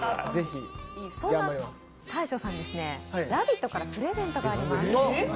そんな大昇さんに「ラヴィット！」からプレゼントがあります。